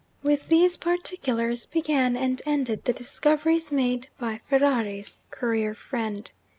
With these particulars began and ended the discoveries made by Ferrari's courier friend.